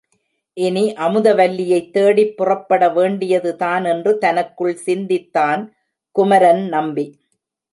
இனி அமுதவல்லியைத் தேடிப் புறப்படவேண்டியதுதான் என்று தனக்குள் சிந்தித்தான் குமரன் நம்பி.